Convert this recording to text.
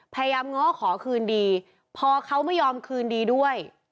ง้อขอคืนดีพอเขาไม่ยอมคืนดีด้วย